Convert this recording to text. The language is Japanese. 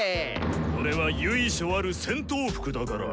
これは由緒ある戦闘服だから。